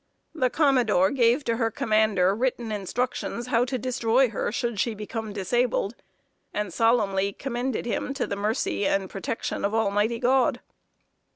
The commodore gave to her commander written instructions how to destroy her, should she become disabled; and solemnly commended him to the mercy and protection of Almighty God.